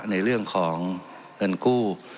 ในเรื่องของเงินกู้